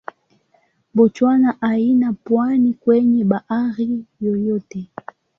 Botswana haina pwani kwenye bahari yoyote.